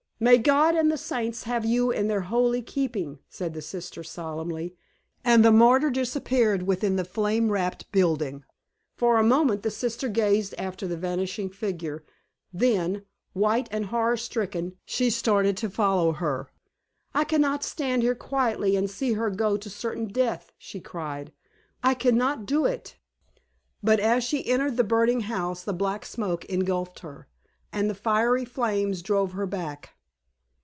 "May God and the saints have you in their holy keeping!" said the sister, solemnly. And the martyr disappeared within the flame wrapped building. For a moment the sister gazed after the vanishing figure, then, white and horror stricken, she started to follow her. "I can not stand here quietly and see her go to certain death," she cried "I can not do it." But as she entered the burning house the black smoke engulfed her, and the fiery flames drove her back.